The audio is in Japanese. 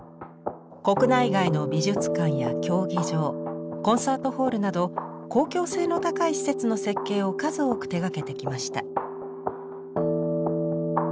国内外の美術館や競技場コンサートホールなど公共性の高い施設の設計を数多く手がけてきました。